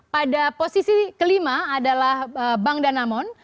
pada posisi kelima adalah bank danamon